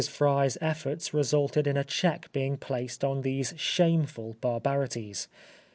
Fry's efforts resulted in a check being placed on these shameful barbarities.